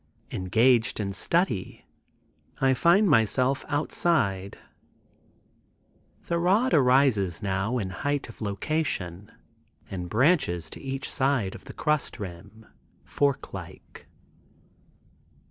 Engaged in study I find myself outside. The rod arises now in height of location and branches to each side of the crust rim, fork like.